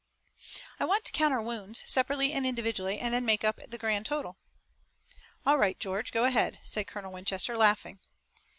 "I want to count our wounds, separately and individually and then make up the grand total." "All right, George, go ahead," said Colonel Winchester, laughing.